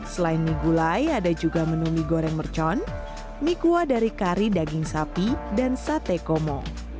selain mie gulai ada juga menu mie goreng mercon mie kuah dari kari daging sapi dan sate komo